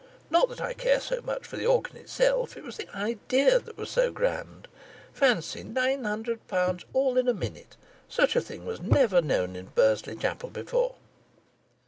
Not that I care so much for the organ itself. It's the idea that was so grand. Fancy nine hundred pounds all in a minute; such a thing was never known in Bursley Chapel before!"